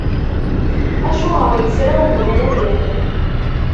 Acuɣer yesra umdan ad yamen?